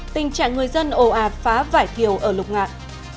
tình trạng người dân ồ ạt phá vải thiều ở lục ngạn